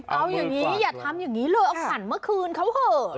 เอาอย่างงี้อย่าทำอย่างงี้เลยเอาขันเมื่อคืนเขาเหอะนะฮะ